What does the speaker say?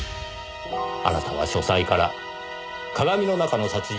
あなたは書斎から鏡の中の殺人を目撃したんです。